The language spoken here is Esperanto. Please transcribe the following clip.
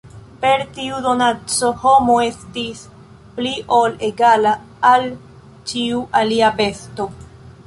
Per tiu donaco, homo estis pli ol egala al ĉiu alia besto.